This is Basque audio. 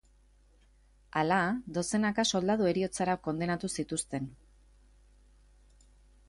Hala, dozenaka soldadu heriotzara kondenatu zituzten.